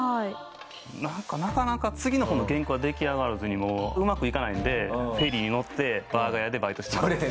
なんかなかなか次の本の原稿が出来上がらずにもううまくいかないのでフェリーに乗ってバーガー屋でバイトしてました。